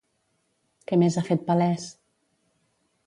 Què més ha fet palès?